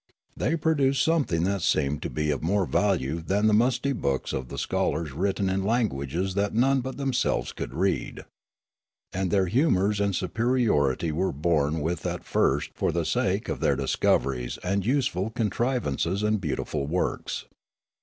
They produced something that seemed to be of more value than the musty books of the scholars writ ten in languages that none but themselves could read. And their humours and superiority were borne with at first for the sake of their discoveries and useful con trivances and beautiful works.